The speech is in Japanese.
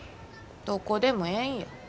どこでもええんや。